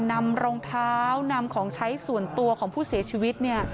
นำรองเท้านำของใช้ส่วนตัวของผู้เสียชีวิต